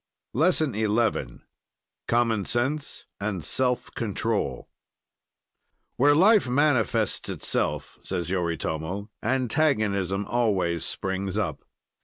LESSON XI COMMON SENSE AND SELF CONTROL "Where life manifests itself," says Yoritomo, "antagonism always springs up."